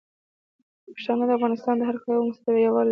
پښتانه د افغانستان د هر قوم سره یوالی لري.